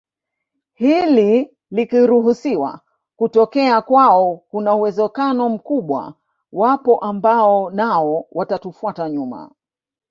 Hili likiruhusiwa kutokea kwao kuna uwezekano mkubwa wapo ambao nao watatufuata nyuma